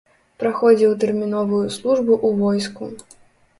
Праходзіў тэрміновую службу ў войску.